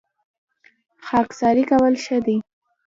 خاکساري کول ښه دي